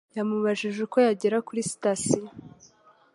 Yamubajije uko yagera kuri sitasiyo